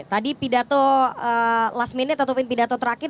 tadi pidato last minute ataupun pidato terakhir